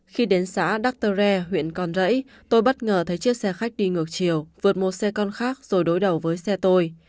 khi đến xã dr re huyện con rẫy tôi bất ngờ thấy chiếc xe khách đi ngược chiều vượt một xe con khác rồi đối đầu với xe tôi